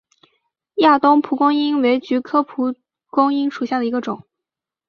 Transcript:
亚东蒲公英为菊科蒲公英属下的一个种。